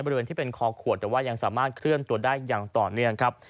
บริเวณที่เป็นคอขวดแต่ว่ายังสามารถเคลื่อนตัวได้อย่างต่อเนื่องครับ